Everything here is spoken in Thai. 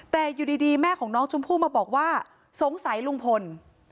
แต่อยู่ดีแม่ของน้องชมพู่มาบอกว่าสงสัยลุงพล